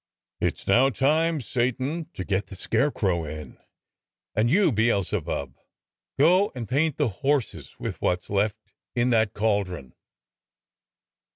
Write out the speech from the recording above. "It's now time, Satan, to get the scarecrow in. 194 DOCTOR SYN and you, Beelzebub, go and paint the horses with what's left in that cauldron."